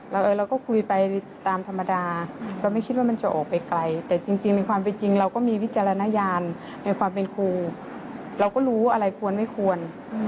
เราก็คุยไปตามธรรมดาเราไม่คิดว่ามันจะออกไปไกลแต่จริงในความเป็นจริงเราก็มีวิจารณญาณในความเป็นครูเราก็รู้อะไรควรไม่ควร